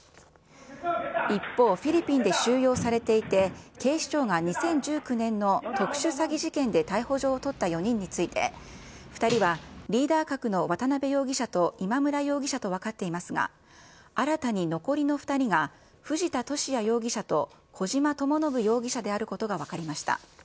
一方、フィリピンで収容されていて、警視庁が２０１９年の特殊詐欺事件で逮捕状を取った４人について、２人はリーダー格の渡辺容疑者と今村容疑者と分かっていますが、新たに残りの２人が、藤田聖也容疑者と小島智信容疑者であることが分かりました。